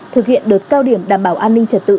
thực hiện đợt cao điểm đảm bảo an ninh trật tự